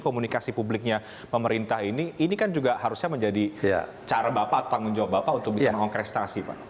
komunikasi publiknya pemerintah ini ini kan juga harusnya menjadi cara bapak atau tanggung jawab bapak untuk bisa mengonkrestasi pak